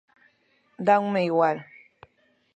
Danme igual.